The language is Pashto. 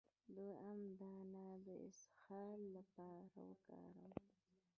د ام دانه د اسهال لپاره وکاروئ